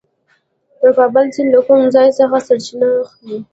د کابل سیند له کوم ځای څخه سرچینه اخلي؟